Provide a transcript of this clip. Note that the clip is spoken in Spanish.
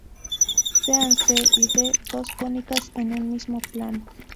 Sean "C" y "D" dos cónicas en un mismo plano.